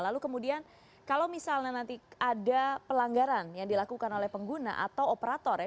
lalu kemudian kalau misalnya nanti ada pelanggaran yang dilakukan oleh pengguna atau operator ya